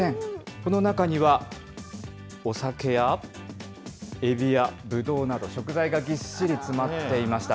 この中には、お酒やエビやぶどうなど、食材がぎっしり詰まっていました。